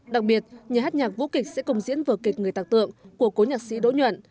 đặc biệt nhà hát nhạc vũ kịch sẽ công diễn vở kịch người tạc tượng của cố nhạc sĩ đỗ nhuận